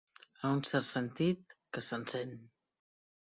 En un cert sentit, que s'encén.